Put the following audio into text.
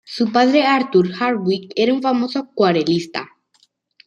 Su padre, Arthur Hardwick Marsh, era un famoso acuarelista.